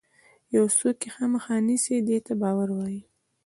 یو څوک یې خامخا نیسي دې ته باور وایي.